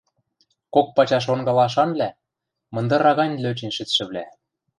кок пачаш онгылашанвлӓ, мындыра гань лӧчен шӹцшӹвлӓ